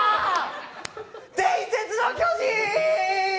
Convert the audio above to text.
伝説の巨人！